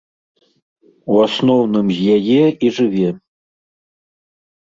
У асноўным з яе і жыве.